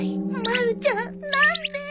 まるちゃん何で？